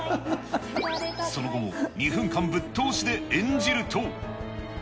その後も２分間ぶっ通しで演じると。